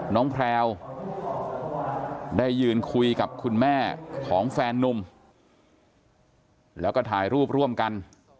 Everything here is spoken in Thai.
แพลวได้ยืนคุยกับคุณแม่ของแฟนนุ่มแล้วก็ถ่ายรูปร่วมกัน